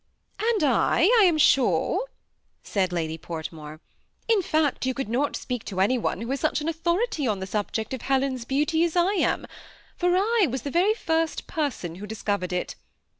''And I, I am sure," said Lady Fortmore; ^ in fiict, you ooold not speak to any one who is such an anthority <m the snhjeci of Heloi's beauty as I am, for I was the very fiist person who discovered it.